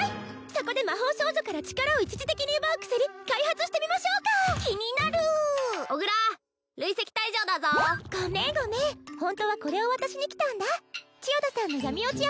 そこで魔法少女から力を一時的に奪う薬開発してみましょうか小倉累積退場だぞごめんごめんホントはこれを渡しに来たんだ千代田さんの闇堕ち